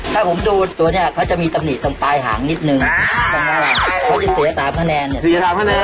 ถ้าผมดูตัวเนี่ยเขาจะมีตำหนิตตรงปลายหางนิดนึงตรงนั้นล่ะเขาจะเสีย๓คะแนนเนี่ย